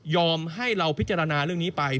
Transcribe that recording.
ให้เราพิจารณาเรื่องนี้ไป